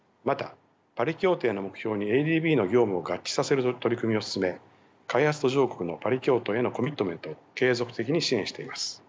またパリ協定の目標にＡＤＢの業務を合致させる取り組みを進め開発途上国のパリ協定へのコミットメントを継続的に支援しています。